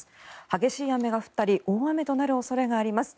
激しい雨が降ったり大雨となる恐れがあります。